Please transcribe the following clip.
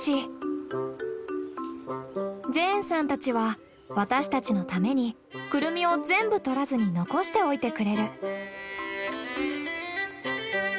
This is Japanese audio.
ジェーンさんたちは私たちのためにクルミを全部採らずに残しておいてくれる。